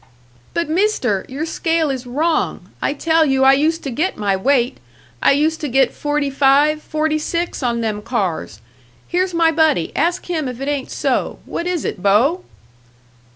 "But, Mister, your scale is wrong! I tell you I used to get my weight. I used to get forty five, forty six on them cars. Here's my buddy ask him if it ain't so. What is it, Bo?"